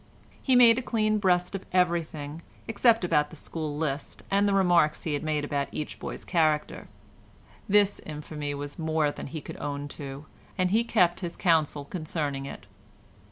He made a clean breast of everything except about the school list and the remarks he had made about each boy's character. This infamy was more than he could own to, and he kept his counsel concerning it.